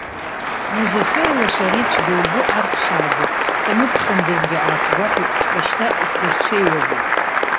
Музафер лаша ари цәгьа лгәы арԥшааӡеит, самыԥхьандазгьы аасгәахәит, аха шьҭа исырҽеиуази.